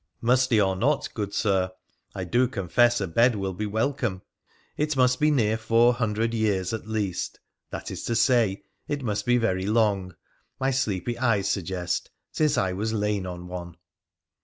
' Musty or not, good Sir, I do confess a bed will be welcome. It must be near four hundred years at least — that is to say, it must be very long, my sleepy eyes suggest — since I was lain on one.'